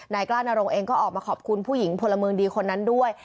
กล้านรงเองก็ออกมาขอบคุณผู้หญิงพลเมืองดีคนนั้นด้วย